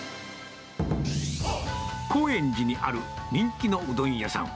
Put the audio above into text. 高円寺にある人気のうどん屋さん。